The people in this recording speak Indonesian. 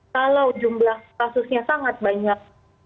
kalau jumlah kasusnya sangat banyak